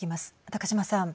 高島さん。